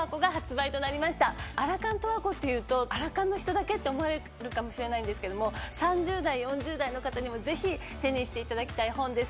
『アラ還十和子』っていうとアラ還の人だけって思われるかもしれないんですけども３０代４０代の方にもぜひ手にしていただきたい本です。